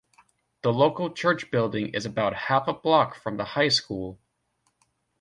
The local church building is about half a block from the high school.